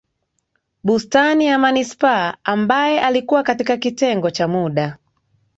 Bustani ya Manispaa ambaye alikuwa katika kitengo cha muda